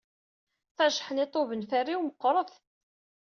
Tajeḥniḍ ubenferriw meqqeṛ-t.